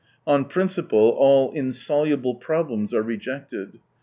On principle all insoluble problems are rejected.